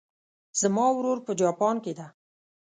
زما ورور په جاپان کې ده